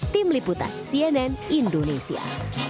tim liputan cnn indonesia